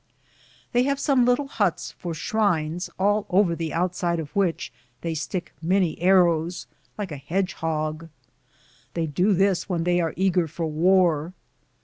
They have some little huts for shrines, all over the outside of which they stick many arrows, like a hedgehog. They do this when they are eager for war.